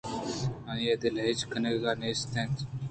آئی ءِ دل ءَ ہچ کینگ نیست اَت